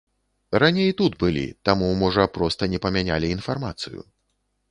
Раней тут былі, таму можа проста не памянялі інфармацыю.